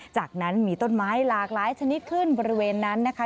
จากนั้นมีต้นไม้หลากหลายชนิดขึ้นบริเวณนั้นนะคะ